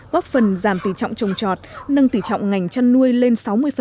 bóp phần giảm tỷ trọng trồng trọt nâng tỷ trọng ngành chăn nuôi lên sáu mươi